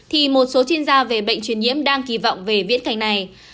thì một số chuyên gia về bệnh truyền nhiễm đang kỳ vọng về viễn cảnh này